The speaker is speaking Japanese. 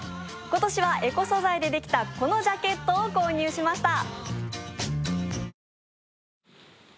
今年はエコ素材でできたこのジャケットを購入しました。